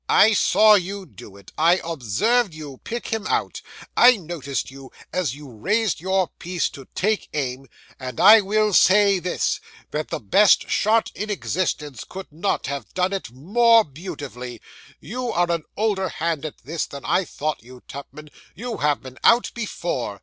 'I saw you do it I observed you pick him out I noticed you, as you raised your piece to take aim; and I will say this, that the best shot in existence could not have done it more beautifully. You are an older hand at this than I thought you, Tupman; you have been out before.